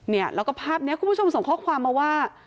เนี่ยแล้วก็ภาพนี้คุณผู้ชมส่งข้อความมาว่า